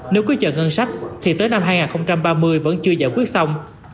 nếu cứ chờ ngân sách thì tới năm hai nghìn ba mươi vẫn chưa giải quyết xong